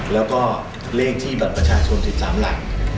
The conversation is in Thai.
แล้วก็เลขที่บัตรประชาชน๑๓หลัก